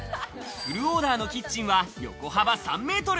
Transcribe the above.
フルオーダーのキッチンは横幅３メートル。